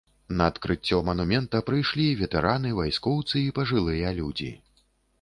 На адкрыццё манумента прыйшлі ветэраны, вайскоўцы і пажылыя людзі.